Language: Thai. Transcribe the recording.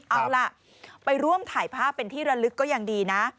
เอาล่ะไปร่วมถ่ายภาพเป็นที่ระลึกก็ยังดีนะ